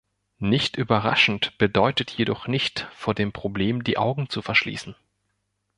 Nicht überraschend bedeutet jedoch nicht, vor dem Problem die Augen zu verschließen.